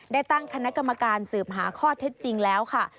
ได้ตั้งคณะกรรมการสืบหาข้อเท็จจริงแล้วค่ะ